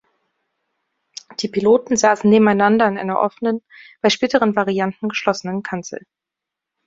Die Piloten saßen nebeneinander in einer offenen, bei späteren Varianten geschlossenen Kanzel.